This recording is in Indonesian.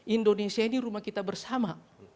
indonesia ini rumah kita bersama